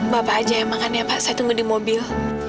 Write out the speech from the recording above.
bapak aja yang makan ya pak saya tunggu di mobil